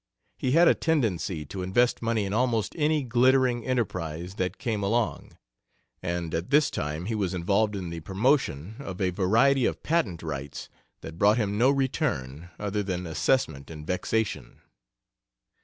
He had a tendency to invest money in almost any glittering enterprise that came along, and at this time he was involved in the promotion of a variety of patent rights that brought him no return other than assessment and vexation.